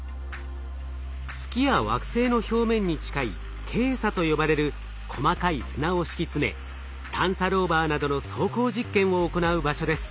月や惑星の表面に近いケイ砂と呼ばれる細かい砂を敷き詰め探査ローバーなどの走行実験を行う場所です。